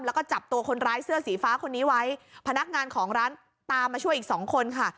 แล้วก็จับตัวคนร้ายเสื้อสีฟ้าคนนี้ไว้พนักงานของร้านตามมาช่วยอีกสองคนค่ะ